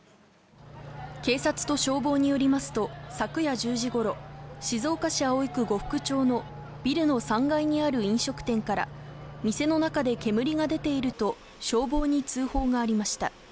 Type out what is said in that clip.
警察と消防によりますと昨夜１０時頃、静岡市葵区呉服町のビルの３階にある飲食店から、店の中で煙が出ていると消防に通報がありました。